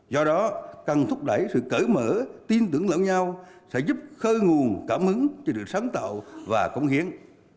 do đó cần thúc đẩy sự cởi mở tin tưởng lẫn nhau sẽ giúp khơi nguồn cảm hứng cho sự sáng tạo và cống hiến